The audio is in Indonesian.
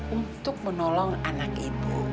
untuk menolong anak ibu